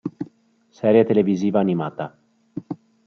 Serie televisiva animata